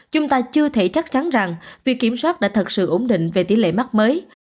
chúng ta chưa thể chắc chắn rằng việc kiểm soát đã thật sự ổn định về tỷ lệ mắc mới